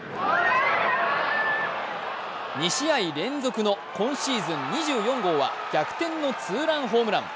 ２試合連続の今シーズン２４号は逆転のツーランホームラン。